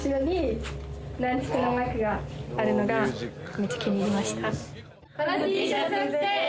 めちゃ気に入りました。